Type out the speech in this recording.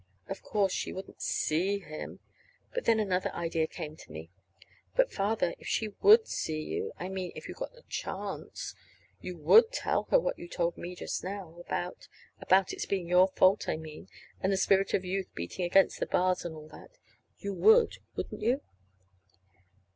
Of course, if she wouldn't see him Then another idea came to me. "But, Father, if she would see you I mean, if you got a chance, you would tell her what you told me just now; about about its being your fault, I mean, and the spirit of youth beating against the bars, and all that. You would, wouldn't you?"